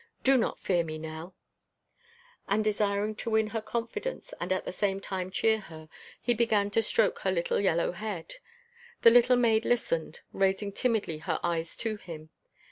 Do not fear me, Nell." And desiring to win her confidence and at the same time cheer her, he began to stroke her little yellow head. The little maid listened, raising timidly her eyes to him.